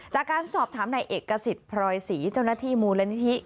จากการสอบถามในเอกสิทธิ์พรอยศรีเจ้าหน้าที่มูลนิธิ